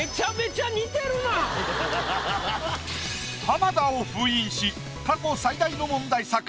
浜田を封印し過去最大の問題作。